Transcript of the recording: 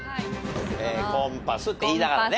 「コンパス」って言いながらね。